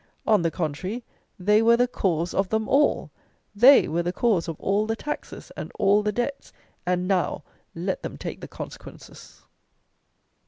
On the contrary, they were the cause of them all. They were the cause of all the taxes, and all the debts; and now let them take the consequences!